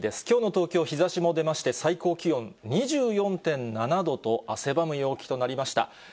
きょうの東京、日ざしも出まして、最高気温２４．７度と、汗ばむ陽気となりました。